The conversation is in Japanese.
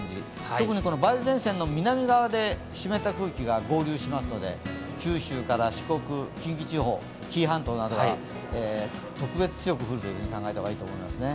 特に梅雨前線の南側で湿った空気が合流しますので、九州から四国、近畿地方、紀伊半島などが特別強く降ると考えた方がいいですね。